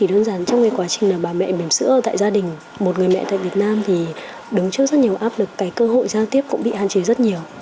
đứng trước rất nhiều áp lực cơ hội giao tiếp cũng bị hạn chế rất nhiều